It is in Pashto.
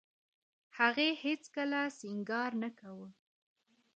هغې هېڅ کله سينګار نه کاوه.